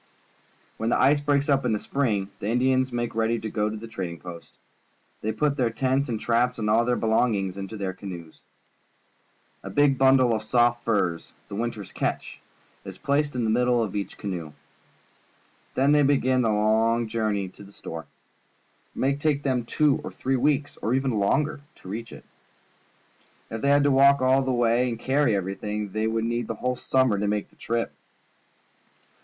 When the ice breaks up in the spring, the Indians make icady to go to the trading post. They put their tents and traps and all their belongings into their canoes. A big bundle of soft furs — the winter's catch — is placed in the middle of each canoe. Then they begin the long journey to the store. It may take them two or three weeks, or even longer, to reach it. If they had to walk all the way and carry everything, they would need the whole summer to make the trip.